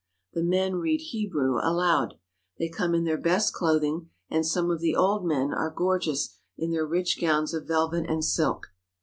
The men read Hebrew aloud. They come in their best clothing, and some of the old men are gorgeous in their rich gowns of velvet and silk.